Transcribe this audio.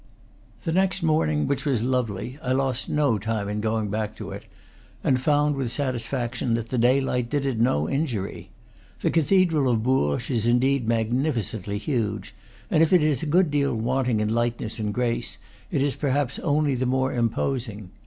The next morning, which was lovely, I lost no time in going back to it, and found, with satisfaction, that the daylight did it no injury. The cathedral of Bourges is indeed magnificently huge; and if it is a good deal wanting in lightness and grace it is perhaps only the more imposing.